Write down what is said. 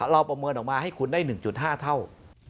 ประเมินออกมาให้คุณได้๑๕เท่า